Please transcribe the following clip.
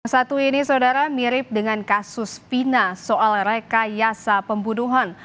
satu ini saudara mirip dengan kasus pina soal rekayasa pembunuhan